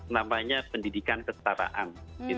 namanya pendidikan kesetaraan